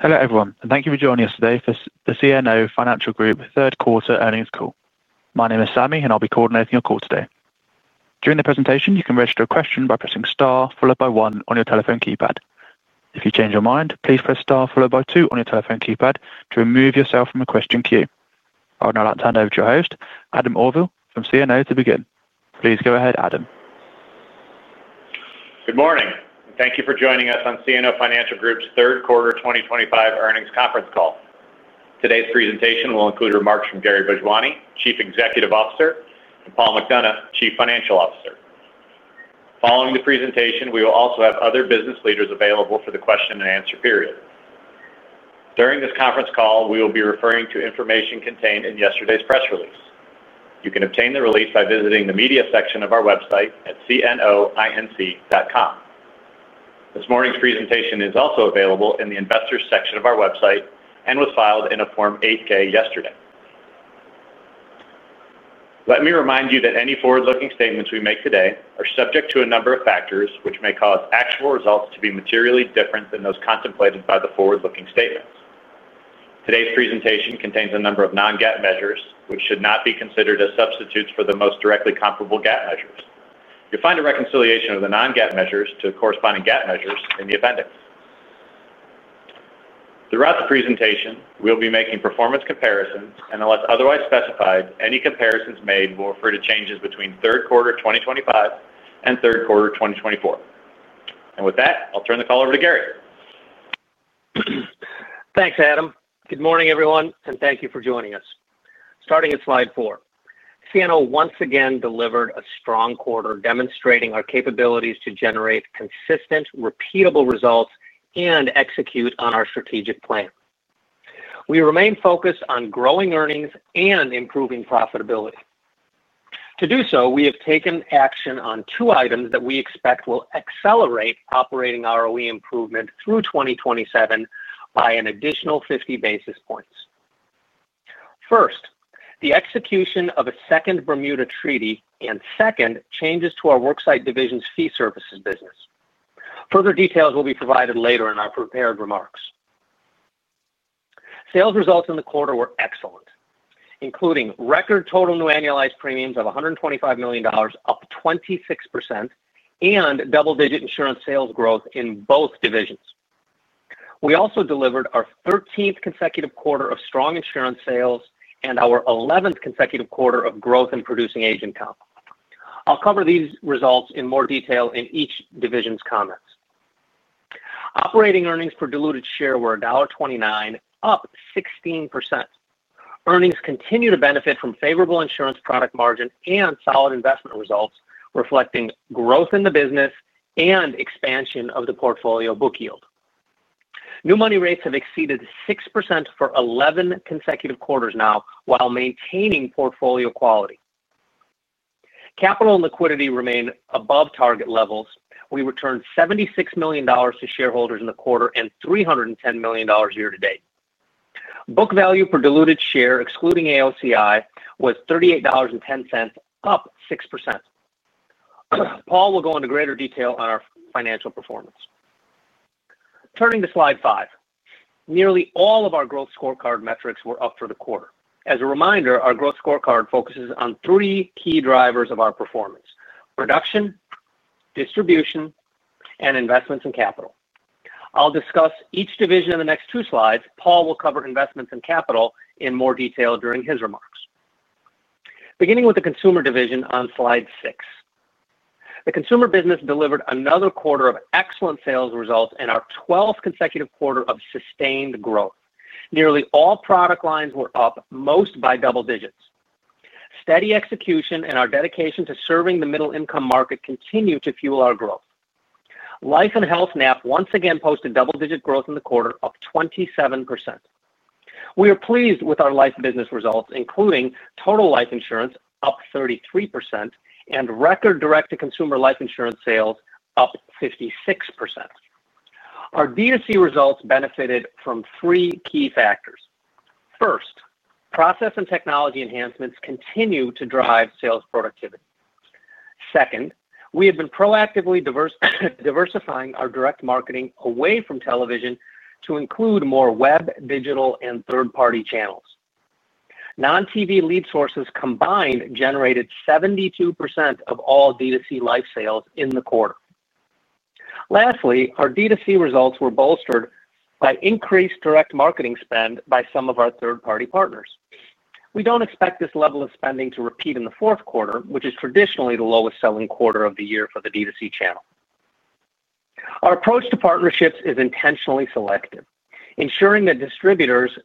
Hello everyone, and thank you for joining us today for the CNO Financial Group third quarter earnings call. My name is Sammy, and I'll be coordinating your call today. During the presentation, you can register a question by pressing star followed by one on your telephone keypad. If you change your mind, please press star followed by two on your telephone keypad to remove yourself from the question queue. I would now like to hand over to your host, Adam Auvil, from CNO, to begin. Please go ahead, Adam. Good morning, and thank you for joining us on CNO Financial Group's third quarter 2025 earnings conference call. Today's presentation will include remarks from Gary Bhojwani, Chief Executive Officer, and Paul McDonough, Chief Financial Officer. Following the presentation, we will also have other business leaders available for the question-and-answer period. During this conference call, we will be referring to information contained in yesterday's press release. You can obtain the release by visiting the media section of our website at cnoinc.com. This morning's presentation is also available in the investors' section of our website and was filed in a Form 8-K yesterday. Let me remind you that any forward-looking statements we make today are subject to a number of factors which may cause actual results to be materially different than those contemplated by the forward-looking statements. Today's presentation contains a number of non-GAAP measures which should not be considered as substitutes for the most directly comparable GAAP measures. You'll find a reconciliation of the non-GAAP measures to the corresponding GAAP measures in the appendix. Throughout the presentation, we'll be making performance comparisons, and unless otherwise specified, any comparisons made will refer to changes between third quarter 2025 and third quarter 2024. And with that, I'll turn the call over to Gary. Thanks, Adam. Good morning, everyone, and thank you for joining us. Starting at slide four, CNO once again delivered a strong quarter demonstrating our capabilities to generate consistent, repeatable results and execute on our strategic plan. We remain focused on growing earnings and improving profitability. To do so, we have taken action on two items that we expect will accelerate Operating ROE improvement through 2027 by an additional 50 basis points. First, the execution of a second Bermuda treaty and second changes to our worksite division's fee services business. Further details will be provided later in our prepared remarks. Sales results in the quarter were excellent, including record total new annualized premiums of $125 million, up 26%, and double-digit insurance sales growth in both divisions. We also delivered our 13th consecutive quarter of strong insurance sales and our 11th consecutive quarter of growth in producing agent income. I'll cover these results in more detail in each division's comments. Operating earnings per diluted share were $1.29, up 16%. Earnings continue to benefit from favorable insurance product margin and solid investment results, reflecting growth in the business and expansion of the portfolio book yield. New money rates have exceeded 6% for 11 consecutive quarters now, while maintaining portfolio quality. Capital and liquidity remain above target levels. We returned $76 million to shareholders in the quarter and $310 million year-to-date. Book value per diluted share, excluding AOCI, was $38.10, up 6%. Paul will go into greater detail on our financial performance. Turning to slide five, nearly all of our growth scorecard metrics were up for the quarter. As a reminder, our growth scorecard focuses on three key drivers of our performance: production, distribution, and investments in capital. I'll discuss each division in the next two slides. Paul will cover investments in capital in more detail during his remarks. Beginning with the consumer division on slide six, the consumer business delivered another quarter of excellent sales results and our 12th consecutive quarter of sustained growth. Nearly all product lines were up, most by double digits. Steady execution and our dedication to serving the middle-income market continue to fuel our growth. Life and Health NAP once again posted double-digit growth in the quarter of 27%. We are pleased with our life business results, including total life insurance up 33% and record direct-to-consumer life insurance sales up 56%. Our DOC results benefited from three key factors. First, process and technology enhancements continue to drive sales productivity. Second, we have been proactively diversifying our direct marketing away from television to include more web, digital, and third-party channels. Non-TV lead sources combined generated 72% of all DOC life sales in the quarter. Lastly, our DOC results were bolstered by increased direct marketing spend by some of our third-party partners. We don't expect this level of spending to repeat in the fourth quarter, which is traditionally the lowest selling quarter of the year for the DOC channel. Our approach to partnerships is intentionally selective, ensuring that distributors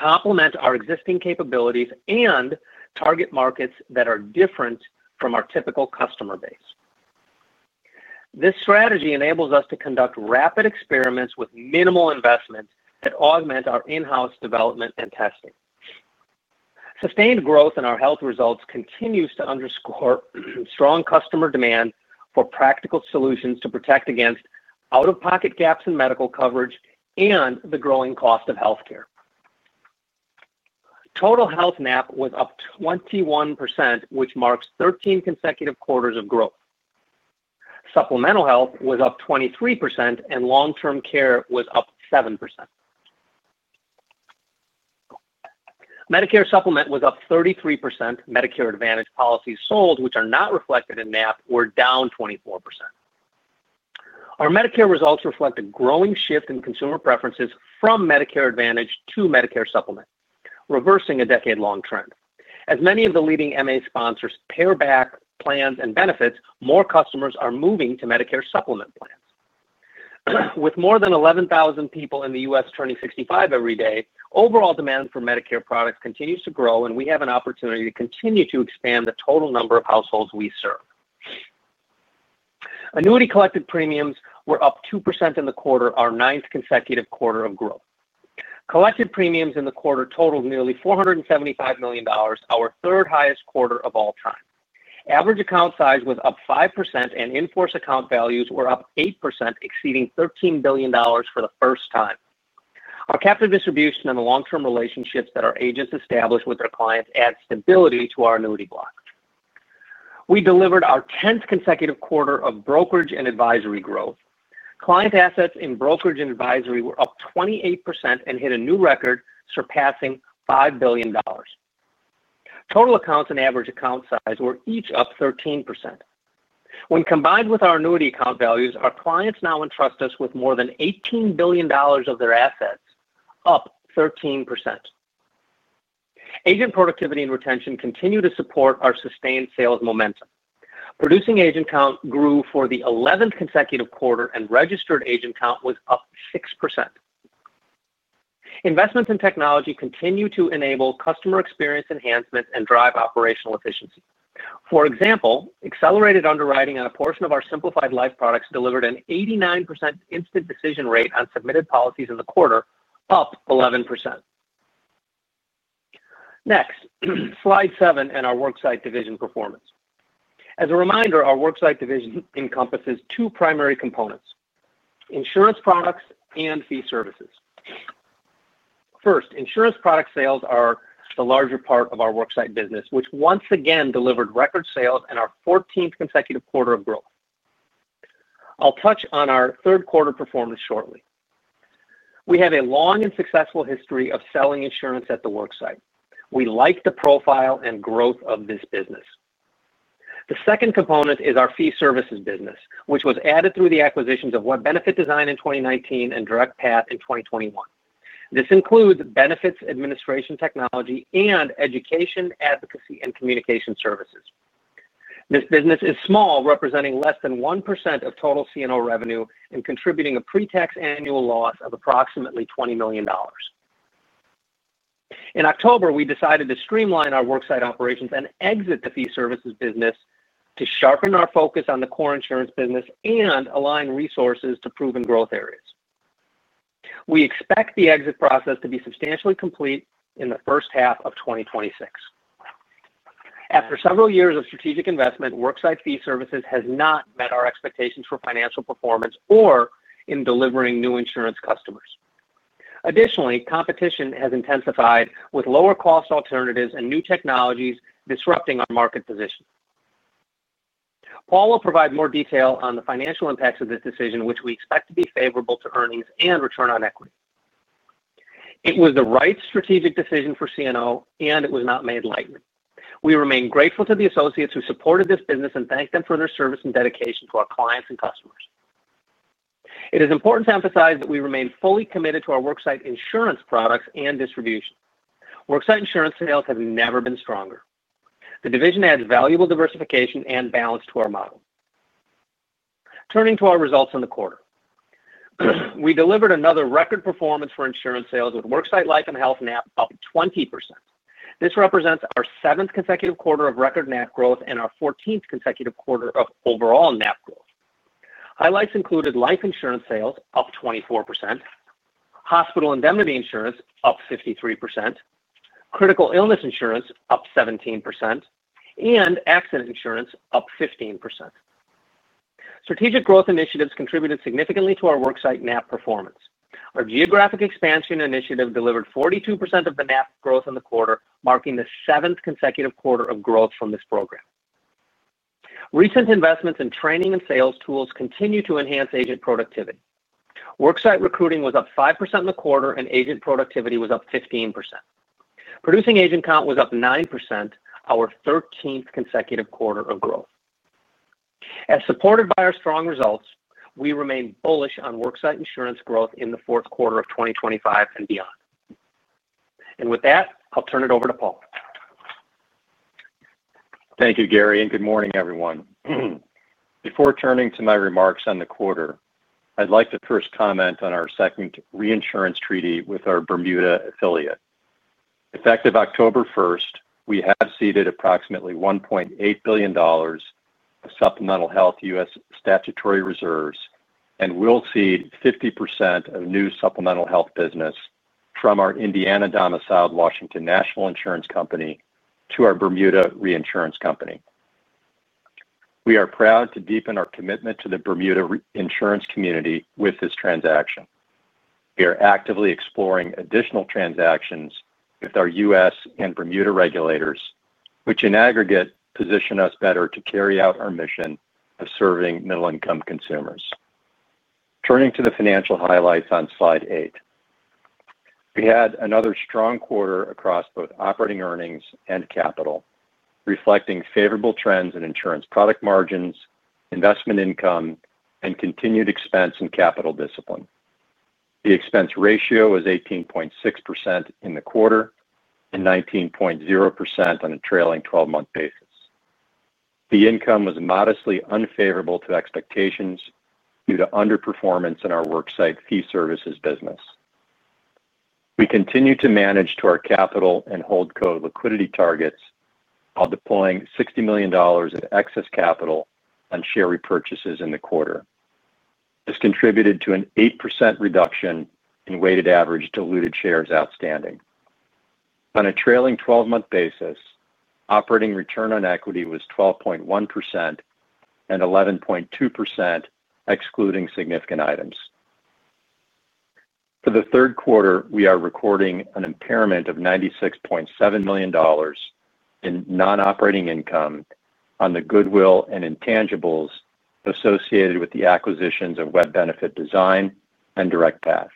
complement our existing capabilities and target markets that are different from our typical customer base. This strategy enables us to conduct rapid experiments with minimal investments that augment our in-house development and testing. Sustained growth in our health results continues to underscore strong customer demand for practical solutions to protect against out-of-pocket gaps in medical coverage and the growing cost of healthcare. Total Health NAP was up 21%, which marks 13 consecutive quarters of growth. Supplemental Health was up 23%, and Long-Term Care was up 7%. Medicare Supplement was up 33%. Medicare Advantage policies sold, which are not reflected in NAP, were down 24%. Our Medicare results reflect a growing shift in consumer preferences from Medicare Advantage to Medicare Supplement, reversing a decade-long trend. As many of the leading MA sponsors pare back plans and benefits, more customers are moving to Medicare Supplement plans. With more than 11,000 people in the U.S. turning 65 every day, overall demand for Medicare products continues to grow, and we have an opportunity to continue to expand the total number of households we serve. Annuity collected premiums were up 2% in the quarter, our ninth consecutive quarter of growth. Collected premiums in the quarter totaled nearly $475 million, our third highest quarter of all time. Average account size was up 5%, and in-force account values were up 8%, exceeding $13 billion for the first time. Our captive distribution and the long-term relationships that our agents establish with their clients add stability to our annuity block. We delivered our 10th consecutive quarter of brokerage and advisory growth. Client assets in brokerage and advisory were up 28% and hit a new record, surpassing $5 billion. Total accounts and average account size were each up 13%. When combined with our annuity account values, our clients now entrust us with more than $18 billion of their assets, up 13%. Agent productivity and retention continue to support our sustained sales momentum. Producing agent income grew for the 11th consecutive quarter, and registered agent income was up 6%. Investments in technology continue to enable customer experience enhancements and drive operational efficiency. For example, accelerated underwriting on a portion of our simplified life products delivered an 89% instant decision rate on submitted policies in the quarter, up 11%. Next, slide seven and our worksite division performance. As a reminder, our worksite division encompasses two primary components: insurance products and fee services. First, insurance product sales are the larger part of our worksite business, which once again delivered record sales and our 14th consecutive quarter of growth. I'll touch on our third quarter performance shortly. We have a long and successful history of selling insurance at the worksite. We like the profile and growth of this business. The second component is our fee services business, which was added through the acquisitions of WebBenefits Design in 2019 and DirectPath in 2021. This includes benefits administration technology and education, advocacy, and communication services. This business is small, representing less than 1% of total CNO revenue and contributing a pre-tax annual loss of approximately $20 million. In October, we decided to streamline our worksite operations and exit the fee services business to sharpen our focus on the core insurance business and align resources to proven growth areas. We expect the exit process to be substantially complete in the first half of 2026. After several years of strategic investment, worksite fee services has not met our expectations for financial performance or in delivering new insurance customers. Additionally, competition has intensified with lower-cost alternatives and new technologies disrupting our market position. Paul will provide more detail on the financial impacts of this decision, which we expect to be favorable to earnings and return on equity. It was the right strategic decision for CNO, and it was not made lightly. We remain grateful to the associates who supported this business and thank them for their service and dedication to our clients and customers. It is important to emphasize that we remain fully committed to our worksite insurance products and distribution. Worksite insurance sales have never been stronger. The division adds valuable diversification and balance to our model. Turning to our results in the quarter. We delivered another record performance for insurance sales with worksite life and health NAP up 20%. This represents our seventh consecutive quarter of record NAP growth and our 14th consecutive quarter of overall NAP growth. Highlights included life insurance sales, up 24%. Hospital indemnity insurance, up 53%. Critical illness insurance, up 17%, and accident insurance, up 15%. Strategic growth initiatives contributed significantly to our worksite NAP performance. Our geographic expansion initiative delivered 42% of the NAP growth in the quarter, marking the seventh consecutive quarter of growth from this program. Recent investments in training and sales tools continue to enhance agent productivity. Worksite recruiting was up 5% in the quarter, and agent productivity was up 15%. Producing agent income was up 9%, our 13th consecutive quarter of growth. As supported by our strong results, we remain bullish on worksite insurance growth in the fourth quarter of 2025 and beyond, and with that, I'll turn it over to Paul. Thank you, Gary, and good morning, everyone. Before turning to my remarks on the quarter, I'd like to first comment on our second reinsurance treaty with our Bermuda affiliate. Effective October 1st, we have seeded approximately $1.8 billion of supplemental health U.S. statutory reserves and will seed 50% of new supplemental health business from our Indiana-domiciled Washington National Insurance Company to our Bermuda Reinsurance Company. We are proud to deepen our commitment to the Bermuda insurance community with this transaction. We are actively exploring additional transactions with our U.S. and Bermuda regulators, which in aggregate position us better to carry out our mission of serving middle-income consumers. Turning to the financial highlights on slide eight. We had another strong quarter across both operating earnings and capital, reflecting favorable trends in insurance product margins, investment income, and continued expense and capital discipline. The expense ratio was 18.6% in the quarter and 19.0% on a trailing 12-month basis. Investment income was modestly unfavorable to expectations due to underperformance in our worksite fee services business. We continue to manage to our capital and hold core liquidity targets while deploying $60 million in excess capital on share repurchases in the quarter. This contributed to an 8% reduction in weighted average diluted shares outstanding. On a trailing 12-month basis, operating return on equity was 12.1%. And 11.2%. Excluding significant items. For the third quarter, we are recording an impairment of $96.7 million in non-operating income on the goodwill and intangibles associated with the acquisitions of WebBenefits Design and DirectPath.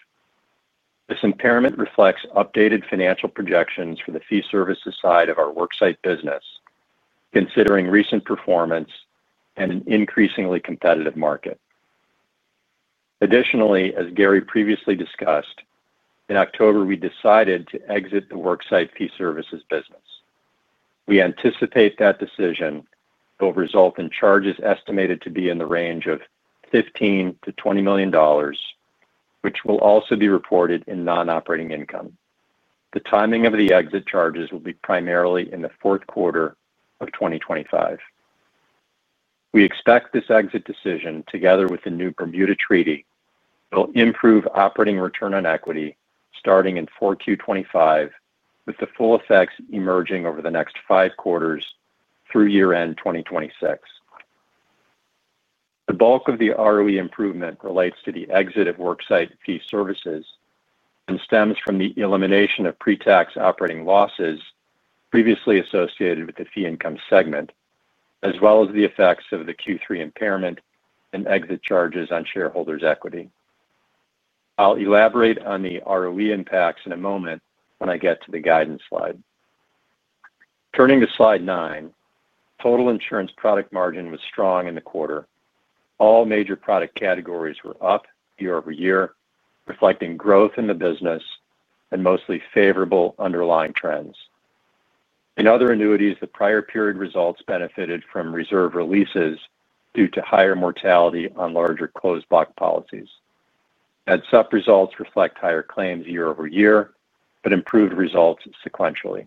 This impairment reflects updated financial projections for the fee services side of our worksite business, considering recent performance and an increasingly competitive market. Additionally, as Gary previously discussed, in October, we decided to exit the worksite fee services business. We anticipate that decision will result in charges estimated to be in the range of $15 million-$20 million, which will also be reported in non-operating income. The timing of the exit charges will be primarily in the fourth quarter of 2025. We expect this exit decision, together with the new Bermuda treaty, will improve operating return on equity starting in 4Q25, with the full effects emerging over the next five quarters through year-end 2026. The bulk of the ROE improvement relates to the exit of worksite fee services and stems from the elimination of pre-tax operating losses previously associated with the fee income segment, as well as the effects of the Q3 impairment and exit charges on shareholders' equity. I'll elaborate on the ROE impacts in a moment when I get to the guidance slide. Turning to slide nine, total insurance product margin was strong in the quarter. All major product categories were up year-over-year, reflecting growth in the business. And mostly favorable underlying trends. In other annuities, the prior period results benefited from reserve releases due to higher mortality on larger closed-block policies. And sup results reflect higher claims year-over-year, but improved results sequentially.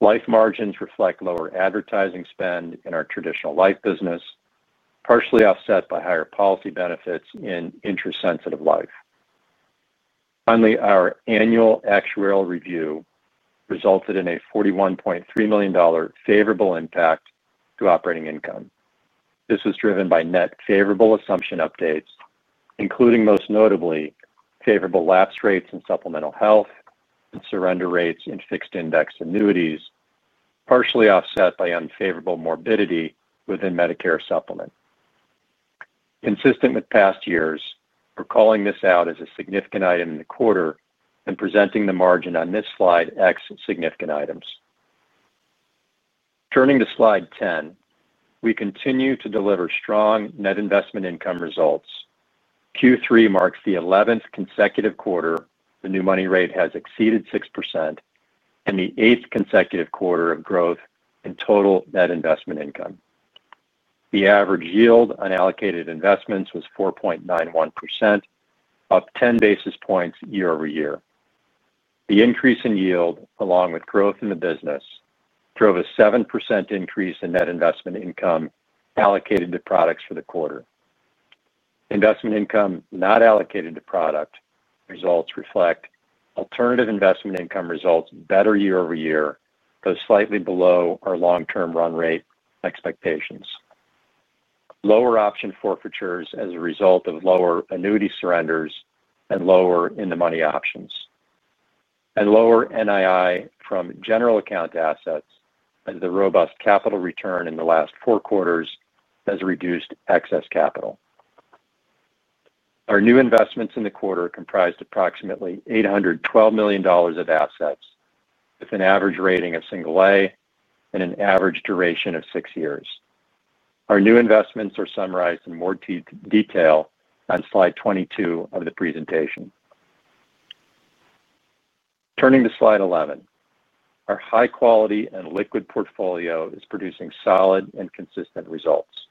Life margins reflect lower advertising spend in our traditional life business, partially offset by higher policy benefits in interest-sensitive life. Finally, our annual actuarial review resulted in a $41.3 million favorable impact to operating income. This was driven by net favorable assumption updates, including most notably favorable lapse rates in supplemental health and surrender rates in fixed index annuities, partially offset by unfavorable morbidity within Medicare Supplement. Consistent with past years, we're calling this out as a significant item in the quarter and presenting the margin on this slide ex significant items. Turning to slide 10, we continue to deliver strong net investment income results. Q3 marks the 11th consecutive quarter the new money rate has exceeded 6%. And the eighth consecutive quarter of growth in total net investment income. The average yield on allocated investments was 4.91%, up 10 basis points year-over-year. The increase in yield, along with growth in the business, drove a 7% increase in net investment income allocated to products for the quarter. Investment income not allocated to product results reflect alternative investment income results better year-over-year, though slightly below our long-term run rate expectations. Lower option forfeitures as a result of lower annuity surrenders and lower in-the-money options. And lower NII from general account assets as the robust capital return in the last four quarters has reduced excess capital. Our new investments in the quarter comprised approximately $812 million of assets, with an average rating of single-A and an average duration of six years. Our new investments are summarized in more detail on slide 22 of the presentation. Turning to slide 11, our high-quality and liquid portfolio is producing solid and consistent results.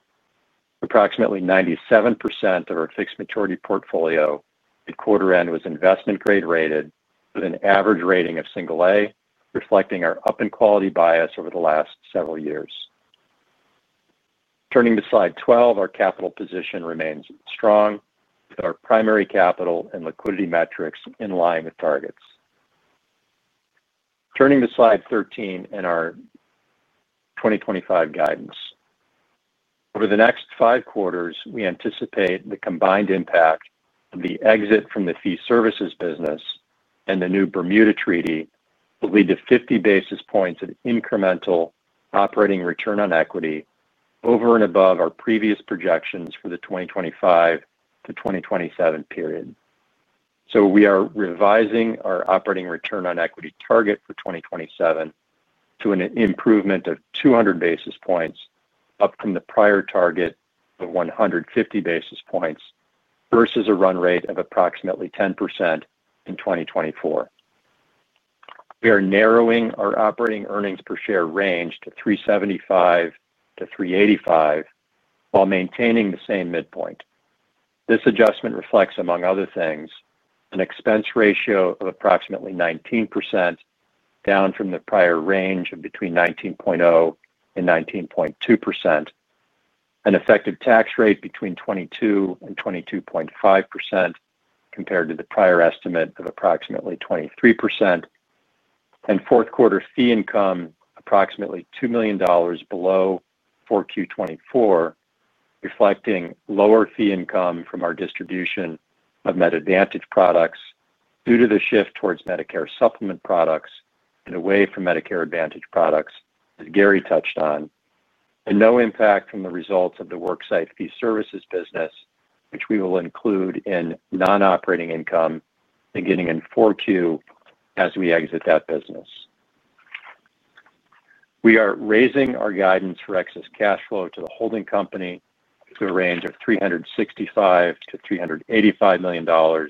Approximately 97% of our fixed maturity portfolio at quarter-end was investment-grade rated with an average rating of single-A, reflecting our up-in-quality bias over the last several years. Turning to slide 12, our capital position remains strong, with our primary capital and liquidity metrics in line with targets. Turning to slide 13 in our 2025 guidance. Over the next five quarters, we anticipate the combined impact of the exit from the fee services business and the new Bermuda treaty will lead to 50 basis points of incremental operating return on equity over and above our previous projections for the 2025-2027 period. So we are revising our operating return on equity target for 2027 to an improvement of 200 basis points, up from the prior target of 150 basis points versus a run rate of approximately 10% in 2024. We are narrowing our operating earnings per share range to $3.75-$3.85 while maintaining the same midpoint. This adjustment reflects, among other things, an expense ratio of approximately 19%, down from the prior range of between 19.0% and 19.2%. An effective tax rate between 22% and 22.5%, compared to the prior estimate of approximately 23%. And fourth quarter fee income, approximately $2 million below 4Q 2024. Reflecting lower fee income from our distribution of Medicare Advantage products due to the shift towards Medicare Supplement products and away from Medicare Advantage products, as Gary touched on, and no impact from the results of the worksite fee services business, which we will include in non-operating income beginning in 4Q as we exit that business. We are raising our guidance for excess cash flow to the holding company to a range of $365 million-$385 million.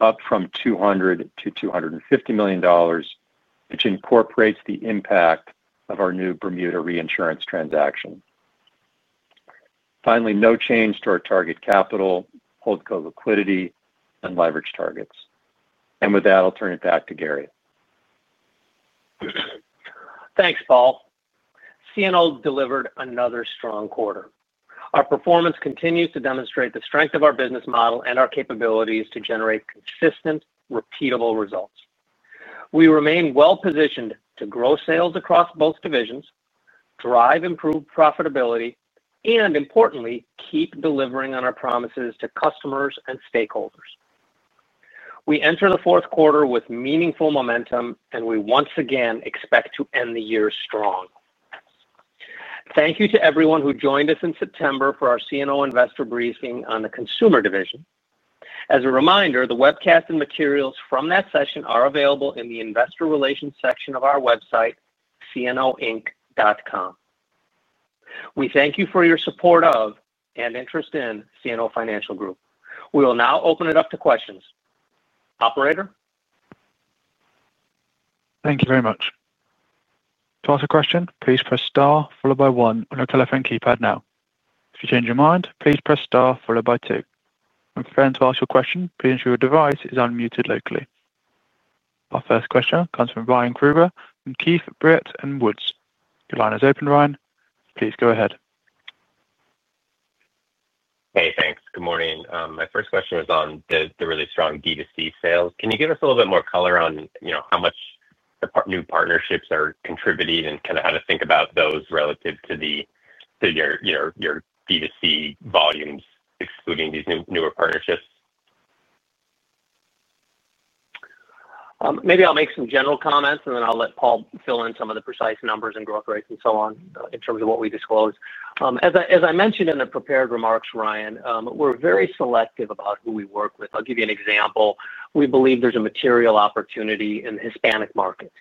Up from $200 million-$250 million. Which incorporates the impact of our new Bermuda reinsurance transaction. Finally, no change to our target capital, holdco liquidity, and leverage targets, and with that, I'll turn it back to Gary. Thanks, Paul. CNO delivered another strong quarter. Our performance continues to demonstrate the strength of our business model and our capabilities to generate consistent, repeatable results. We remain well-positioned to grow sales across both divisions, drive improved profitability, and, importantly, keep delivering on our promises to customers and stakeholders. We enter the fourth quarter with meaningful momentum, and we once again expect to end the year strong. Thank you to everyone who joined us in September for our CNO Investor Briefing on the Consumer Division. As a reminder, the webcast and materials from that session are available in the Investor Relations section of our website, cnoinc.com. We thank you for your support of and interest in CNO Financial Group. We will now open it up to questions. Operator. Thank you very much. To ask a question, please press star followed by one on your telephone keypad now. If you change your mind, please press star followed by two. If you're prepared to ask your question, please ensure your device is unmuted locally. Our first question comes from Ryan Krueger from Keefe, Bruyette & Woods. Your line is open, Ryan. Please go ahead. Hey, thanks. Good morning. My first question was on the really strong D2C sales. Can you give us a little bit more color on how much the new partnerships are contributing and kind of how to think about those relative to your D2C volumes, excluding these newer partnerships? Maybe I'll make some general comments, and then I'll let Paul fill in some of the precise numbers and growth rates and so on in terms of what we disclose. As I mentioned in the prepared remarks, Ryan, we're very selective about who we work with. I'll give you an example. We believe there's a material opportunity in the Hispanic market.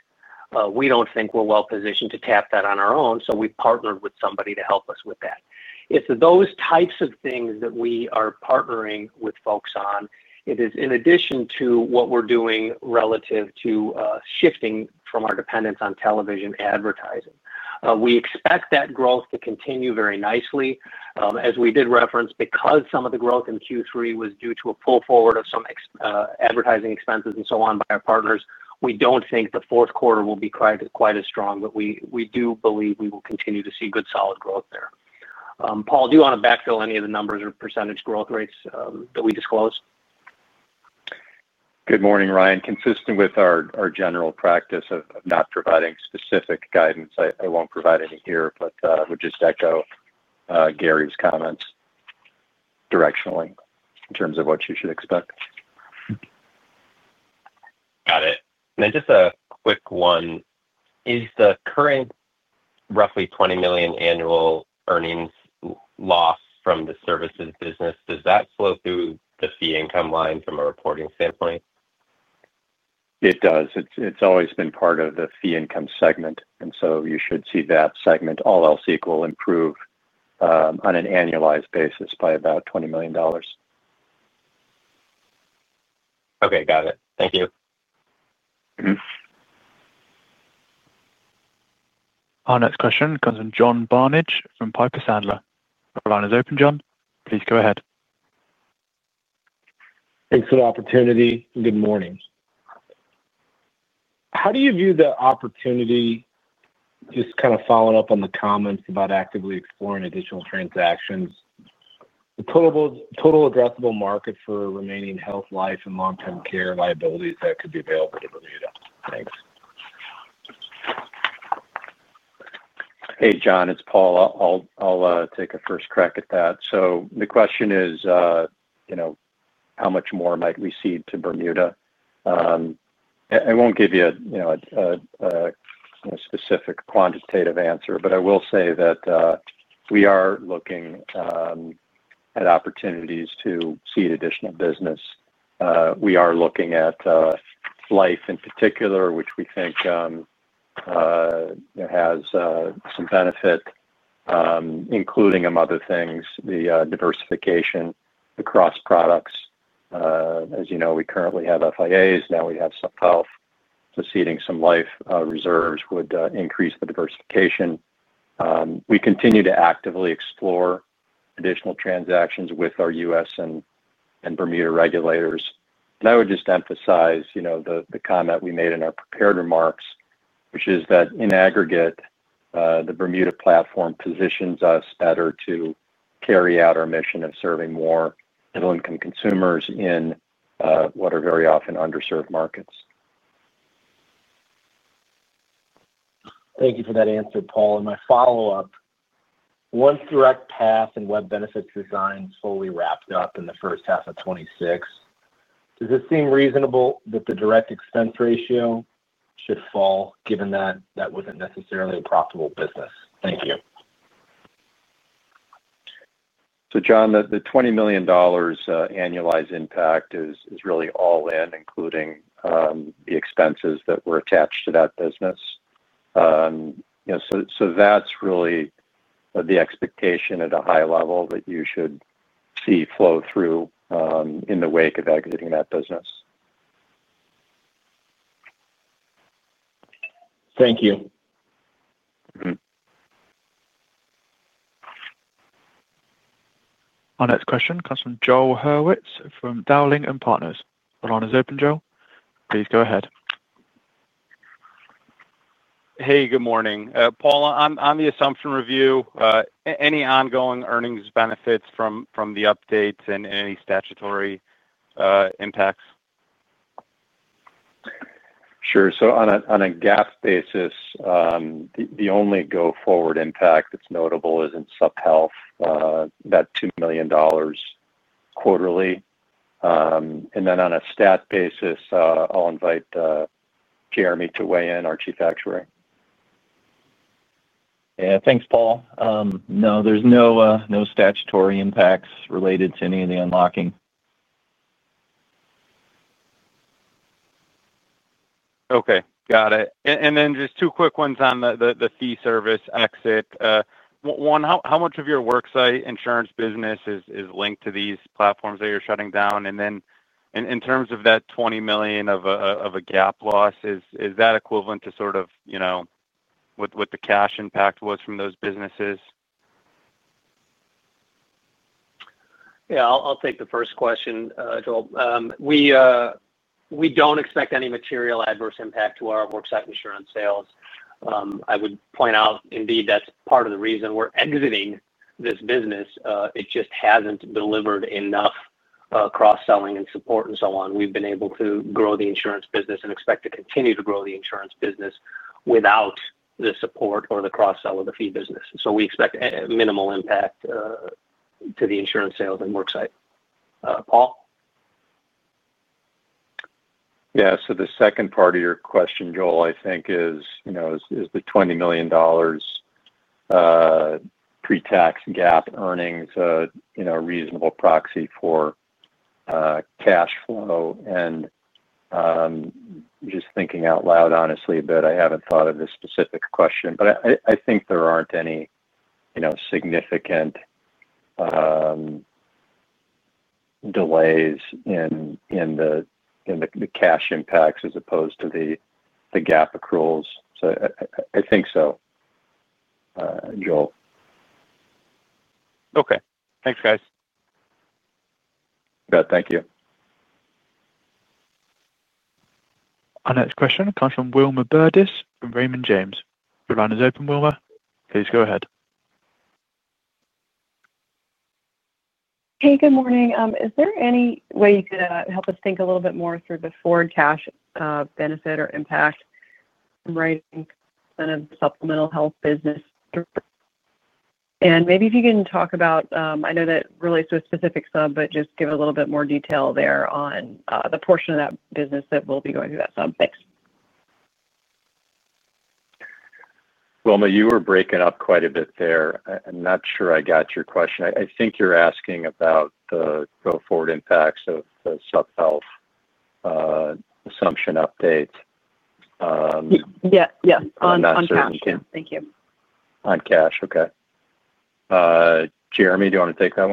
We don't think we're well-positioned to tap that on our own, so we partnered with somebody to help us with that. It's those types of things that we are partnering with folks on. It is in addition to what we're doing relative to shifting from our dependence on television advertising. We expect that growth to continue very nicely. As we did reference, because some of the growth in Q3 was due to a pull forward of some advertising expenses and so on by our partners, we don't think the fourth quarter will be quite as strong, but we do believe we will continue to see good solid growth there. Paul, do you want to backfill any of the numbers or percentage growth rates that we disclose? Good morning, Ryan. Consistent with our general practice of not providing specific guidance, I won't provide any here, but I would just echo Gary's comments. Directionally in terms of what you should expect. Got it. And then just a quick one. Is the current roughly $20 million annual earnings loss from the services business, does that flow through the fee income line from a reporting standpoint? It does. It's always been part of the fee income segment, and so you should see that segment, all else equal, improve on an annualized basis by about $20 million. Okay, got it. Thank you. Our next question comes from John Barnidge from Piper Sandler. Your line is open, John. Please go ahead. Thanks for the opportunity. Good morning. How do you view the opportunity, just kind of following up on the comments about actively exploring additional transactions, the total addressable market for remaining health, life, and long-term care liabilities that could be available to Bermuda? Thanks. Hey, John, it's Paul. I'll take a first crack at that. So the question is, how much more might we see to Bermuda? I won't give you a specific quantitative answer, but I will say that we are looking at opportunities to seed additional business. We are looking at life in particular, which we think has some benefit, including among other things, the diversification, the cross products. As you know, we currently have FIAs. Now we have some health. So seeding some life reserves would increase the diversification. We continue to actively explore additional transactions with our U.S. and Bermuda regulators. And I would just emphasize the comment we made in our prepared remarks, which is that in aggregate, the Bermuda platform positions us better to carry out our mission of serving more middle-income consumers in what are very often underserved markets. Thank you for that answer, Paul. And my follow-up: Once DirectPath and WebBenefits Design fully wrapped up in the first half of 2026, does it seem reasonable that the direct expense ratio should fall given that that wasn't necessarily a profitable business? Thank you. So John, the $20 million annualized impact is really all in, including the expenses that were attached to that business. So that's really the expectation at a high level that you should see flow through in the wake of exiting that business. Thank you. Our next question comes from Joel Hurwitz from Dowling & Partners. Your line is open, Joe. Please go ahead. Hey, good morning. Paul, on the assumption review. Any ongoing earnings benefits from the updates and any statutory impacts? Sure. So on a GAAP basis, the only go-forward impact that's notable is in supplemental health, that $2 million quarterly. And then on a stat basis, I'll invite Jeremy to weigh in, our Chief Actuary. Yeah, thanks, Paul. No, there's no statutory impacts related to any of the unlocking. Okay, got it. And then just two quick ones on the fee service exit. One, how much of your worksite insurance business is linked to these platforms that you're shutting down? And then in terms of that $20 million of a gap loss, is that equivalent to sort of, what the cash impact was from those businesses? Yeah, I'll take the first question, Joel. We don't expect any material adverse impact to our worksite insurance sales. I would point out, indeed, that's part of the reason we're exiting this business. It just hasn't delivered enough cross-selling and support and so on. We've been able to grow the insurance business and expect to continue to grow the insurance business without the support or the cross-sell of the fee business. So we expect minimal impact to the insurance sales and worksite. Paul? Yeah, so the second part of your question, Joel, I think is the $20 million pretax GAAP earnings, a reasonable proxy for cash flow. And just thinking out loud, honestly a bit, I haven't thought of this specific question, but I think there aren't any significant delays in the cash impacts as opposed to the GAAP accruals. So I think so, Joel. Okay. Thanks, guys. Good. Thank you. Our next question comes from Wilma Burdis from Raymond James. Your line is open, Wilma. Please go ahead. Hey, good morning. Is there any way you could help us think a little bit more through the forward cash benefit or impact from writing kind of supplemental health business? And maybe if you can talk about, I know that relates to a specific sub, but just give a little bit more detail there on the portion of that business that will be going through that sub. Thanks. Wilma, you were breaking up quite a bit there. I'm not sure I got your question. I think you're asking about the go-forward impacts of the supplemental health assumption update. Yeah, yeah. On cash. On that supplemental health. Thank you. On cash, okay. Jeremy, do you want to take that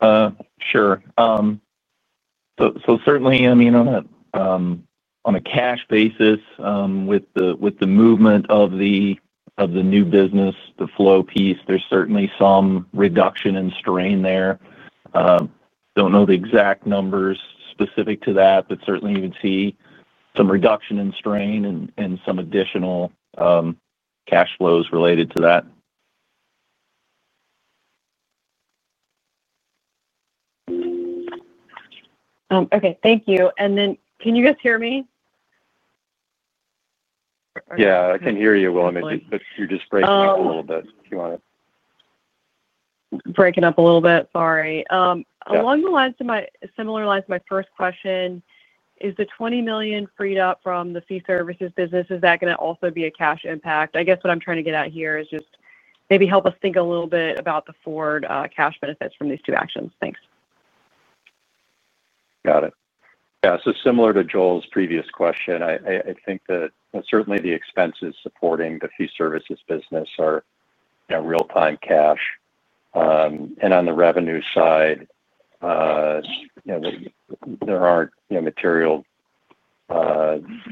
one? Sure. So certainly, I mean, on a cash basis, with the movement of the new business, the flow piece, there's certainly some reduction in strain there. Don't know the exact numbers specific to that, but certainly you would see some reduction in strain and some additional cash flows related to that. Okay, thank you. And then can you guys hear me? Yeah, I can hear you, Wilma, but you're just breaking up a little bit if you want to. Breaking up a little bit, sorry. Along the lines of my first question, is the $20 million freed up from the fee services business, is that going to also be a cash impact? I guess what I'm trying to get at here is just maybe help us think a little bit about the forward cash benefits from these two actions. Thanks. Got it. Yeah, so similar to Joel's previous question, I think that certainly the expenses supporting the fee services business are real-time cash. And on the revenue side, there aren't material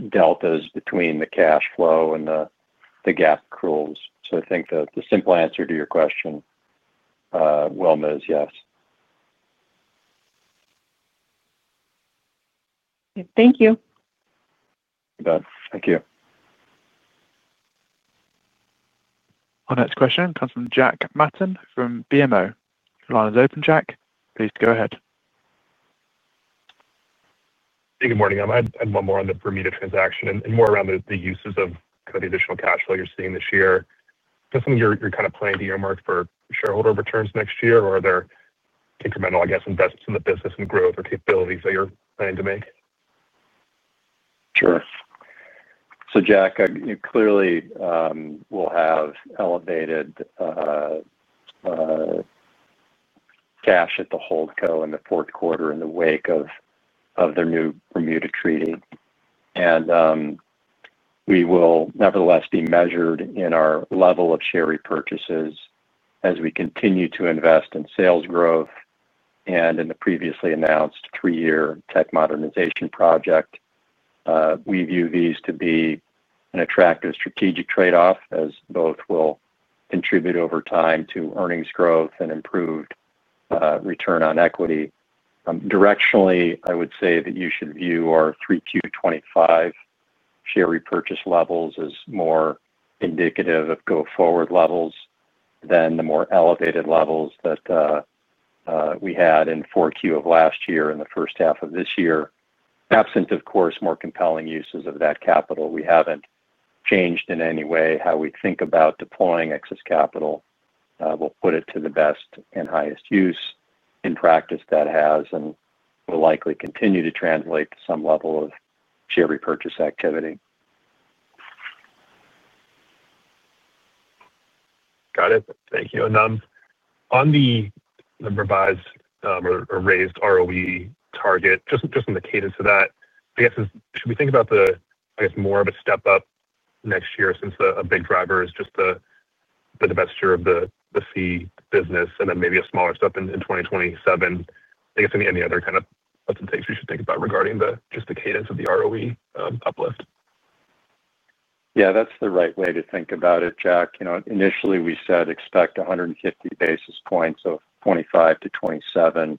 deltas between the cash flow and the GAAP accruals. So I think the simple answer to your question, Wilma, is yes. Thank you. Thank you. Our next question comes from Jack Matton from BMO. Your line is open, Jack. Please go ahead. Hey, good morning. I had one more on the Bermuda transaction and more around the uses of kind of the additional cash flow you're seeing this year. Is that something you're kind of playing to your mark for shareholder returns next year, or are there incremental, I guess, investments in the business and growth or capabilities that you're planning to make? Sure. So, Jack, clearly we'll have elevated cash at the Holdco in the fourth quarter in the wake of their new Bermuda treaty. And we will nevertheless be measured in our level of share repurchases as we continue to invest in sales growth and in the previously announced three-year tech modernization project. We view these to be an attractive strategic trade-off as both will contribute over time to earnings growth and improved return on equity. Directionally, I would say that you should view our 3Q 2025 share repurchase levels as more indicative of go-forward levels than the more elevated levels that we had in 4Q of last year and the first half of this year. Absent, of course, more compelling uses of that capital, we haven't changed in any way how we think about deploying excess capital. We'll put it to the best and highest use. In practice that has and will likely continue to translate to some level of share repurchase activity. Got it. Thank you. And on the revised or raised ROE target, just in the cadence of that, I guess, should we think about the, I guess, more of a step up next year since a big driver is just the divestiture of the fee business and then maybe a smaller step in 2027? I guess any other kind of things we should think about regarding just the cadence of the ROE uplift? Yeah, that's the right way to think about it, Jack. Initially, we said expect 150 basis points of 2025-2027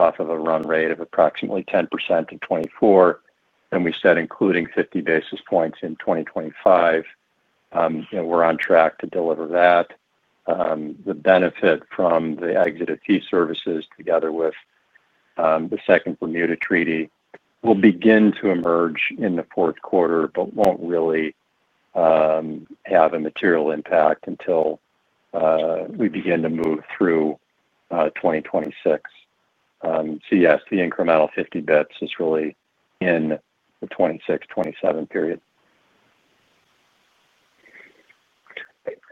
off of a run rate of approximately 10% in 2024, and we said including 50 basis points in 2025. We're on track to deliver that. The benefit from the exit of fee services together with the second Bermuda treaty will begin to emerge in the fourth quarter, but won't really have a material impact until we begin to move through 2026, so yes, the incremental 50 basis points is really in the 2026, 2027 period.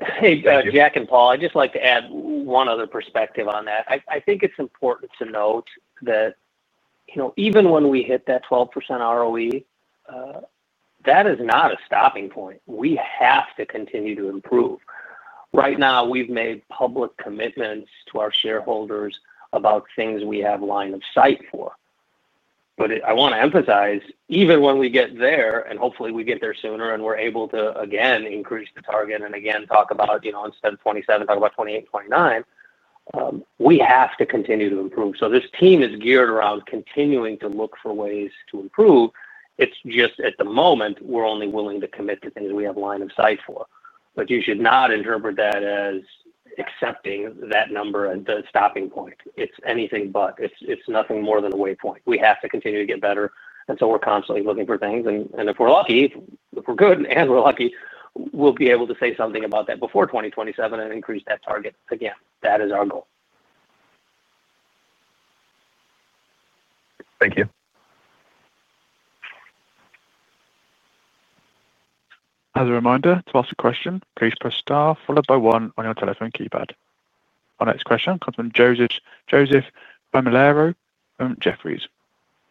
Hey, Jack and Paul, I'd just like to add one other perspective on that. I think it's important to note that even when we hit that 12% ROE. That is not a stopping point. We have to continue to improve. Right now, we've made public commitments to our shareholders about things we have line of sight for. But I want to emphasize, even when we get there, and hopefully we get there sooner and we're able to, again, increase the target and again talk about instead of 2027, talk about 2028, 2029. We have to continue to improve. So this team is geared around continuing to look for ways to improve. It's just at the moment, we're only willing to commit to things we have line of sight for. But you should not interpret that as accepting that number as a stopping point. It's anything but. It's nothing more than a waypoint. We have to continue to get better. And so we're constantly looking for things. And if we're lucky, if we're good and we're lucky, we'll be able to say something about that before 2027 and increase that target again. That is our goal. Thank you. As a reminder, to ask a question, please press star followed by one on your telephone keypad. Our next question comes from Joseph Romero, Jefferies.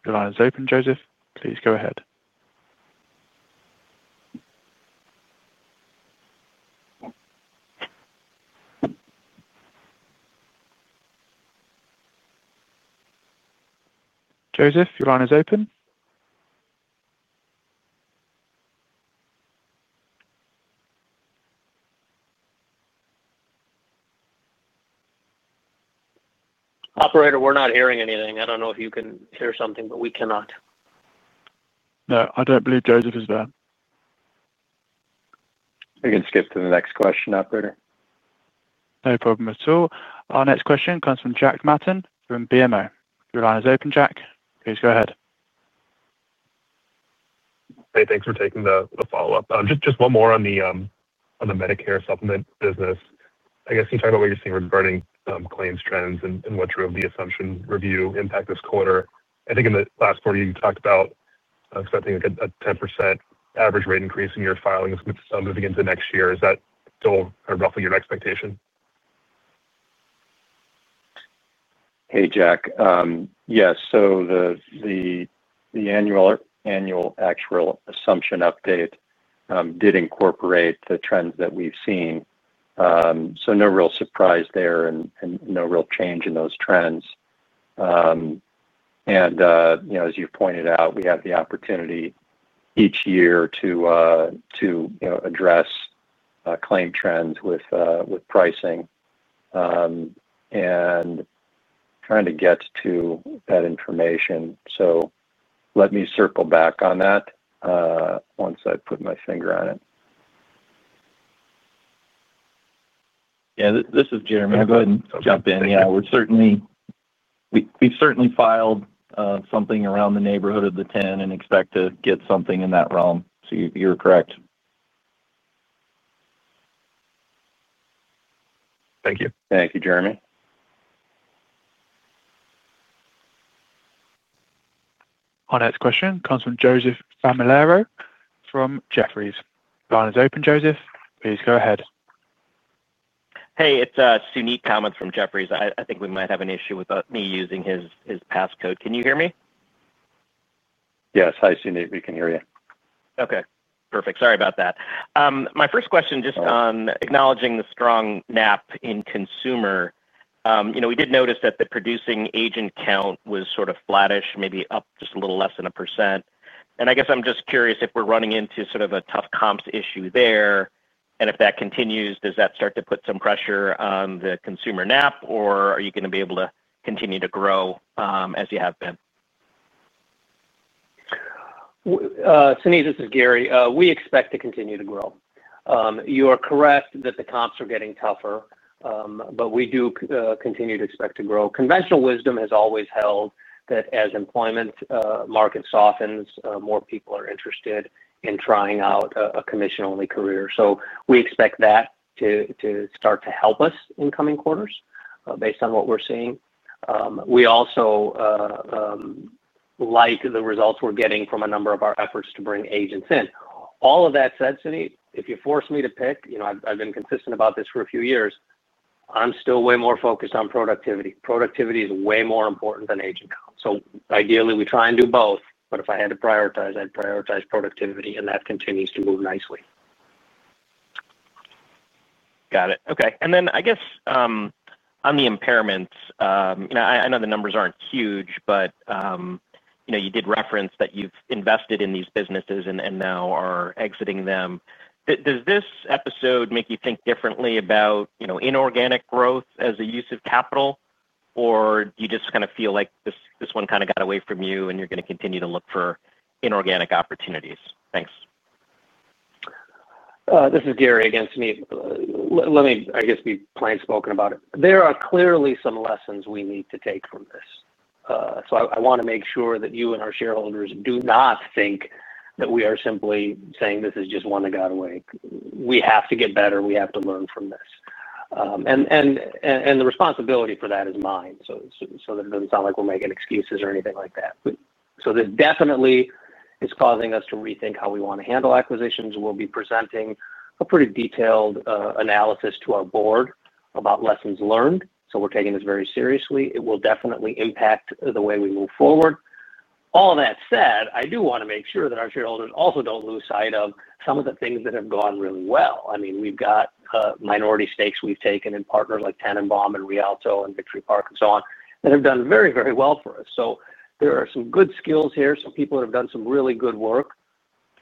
Your line is open, Joseph. Please go ahead. Joseph, your line is open. Operator, we're not hearing anything. I don't know if you can hear something, but we cannot. No, I don't believe Joseph is there. You can skip to the next question, operator. No problem at all. Our next question comes from Jack Matton from BMO. Your line is open, Jack. Please go ahead. Hey, thanks for taking the follow-up. Just one more on the Medicare supplement business. I guess can you talk about what you're seeing regarding claims trends and what's true of the assumption review impact this quarter? I think in the last quarter, you talked about expecting a 10% average rate increase in your filings moving into next year. Is that still roughly your expectation? Hey, Jack. Yes, so the annual actual assumption update did incorporate the trends that we've seen. So no real surprise there and no real change in those trends. And as you pointed out, we have the opportunity each year to address claim trends with pricing. And trying to get to that information. So let me circle back on that once I put my finger on it. Yeah, this is Jeremy. Go ahead and jump in. Yeah, we've certainly filed something around the neighborhood of the 10 and expect to get something in that realm. So you're correct. Thank you. Thank you, Jeremy. Our next question comes from Joseph Romero from Jefferies. Line is open, Joseph. Please go ahead. Hey, it's Suneet Kamath from Jefferies. I think we might have an issue with me using his passcode. Can you hear me? Yes. Hi, Suneet. We can hear you. Okay. Perfect. Sorry about that. My first question just on acknowledging the strong NAP in consumer. We did notice that the producing agent count was sort of flattish, maybe up just a little less than 1%. And I guess I'm just curious if we're running into sort of a tough comps issue there. And if that continues, does that start to put some pressure on the consumer NAP, or are you going to be able to continue to grow as you have been? Suneet, this is Gary. We expect to continue to grow. You are correct that the comps are getting tougher, but we do continue to expect to grow. Conventional wisdom has always held that as employment market softens, more people are interested in trying out a commission-only career. So we expect that to start to help us in coming quarters based on what we're seeing. We also like the results we're getting from a number of our efforts to bring agents in. All of that said, Suneet, if you force me to pick, I've been consistent about this for a few years, I'm still way more focused on productivity. Productivity is way more important than agent count. So ideally, we try and do both, but if I had to prioritize, I'd prioritize productivity, and that continues to move nicely. Got it. Okay. And then I guess on the impairments, I know the numbers aren't huge, but you did reference that you've invested in these businesses and now are exiting them. Does this episode make you think differently about inorganic growth as a use of capital, or do you just kind of feel like this one kind of got away from you and you're going to continue to look for inorganic opportunities? Thanks. This is Gary again, Suneet. Let me, I guess, be plainspoken about it. There are clearly some lessons we need to take from this. So I want to make sure that you and our shareholders do not think that we are simply saying this is just one that got away. We have to get better. We have to learn from this. And the responsibility for that is mine. So that it doesn't sound like we're making excuses or anything like that. So definitely, it's causing us to rethink how we want to handle acquisitions. We'll be presenting a pretty detailed analysis to our board about lessons learned. So we're taking this very seriously. It will definitely impact the way we move forward. All that said, I do want to make sure that our shareholders also don't lose sight of some of the things that have gone really well. I mean, we've got minority stakes we've taken in partners like Tannenbaum and Rialto and Victory Park and so on that have done very, very well for us. So there are some good skills here, some people that have done some really good work.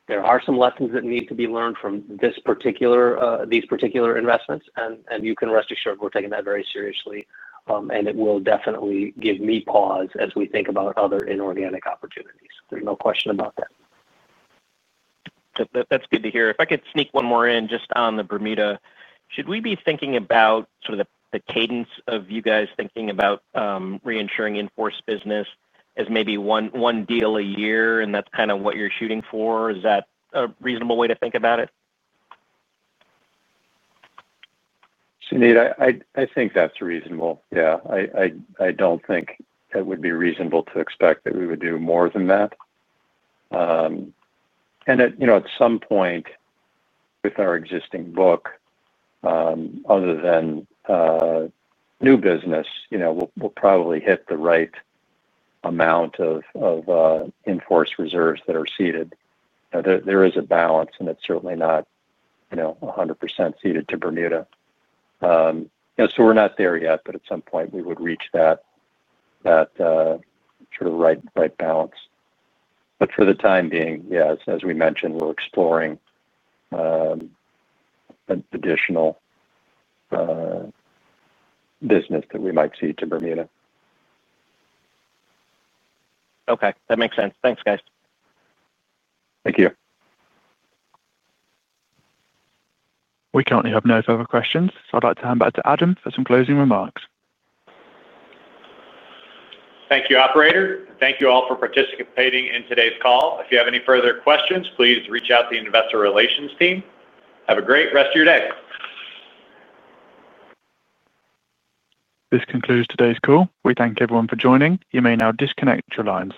There are some lessons that need to be learned from these particular investments. You can rest assured we're taking that very seriously. It will definitely give me pause as we think about other inorganic opportunities. There's no question about that. That's good to hear. If I could sneak one more in just on the Bermuda, should we be thinking about sort of the cadence of you guys thinking about reinsuring in force business as maybe one deal a year, and that's kind of what you're shooting for? Is that a reasonable way to think about it? Suneet, I think that's reasonable. Yeah. I don't think it would be reasonable to expect that we would do more than that. And at some point, with our existing book, other than new business, we'll probably hit the right amount of in-force reserves that are ceded. There is a balance, and it's certainly not 100% ceded to Bermuda. So we're not there yet, but at some point, we would reach that sort of right balance. But for the time being, yes, as we mentioned, we're exploring additional business that we might cede to Bermuda. Okay. That makes sense. Thanks, guys. Thank you. We currently have no further questions. So I'd like to hand back to Adam for some closing remarks. Thank you, operator. Thank you all for participating in today's call. If you have any further questions, please reach out to the Investor relations team. Have a great rest of your day. This concludes today's call. We thank everyone for joining. You may now disconnect your lines.